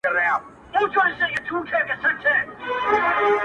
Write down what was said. خدای راکړې هره ورځ تازه هوا وه،